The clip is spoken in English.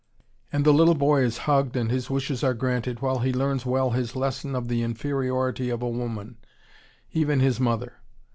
And the little boy is hugged and his wishes are granted while he learns well his lesson of the inferiority of a woman, even his mother.